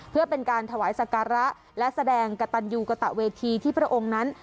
เพื่อเป็นการถวายสการะและแสดงกระตันยูกระตะเวทีที่พระองค์นั้น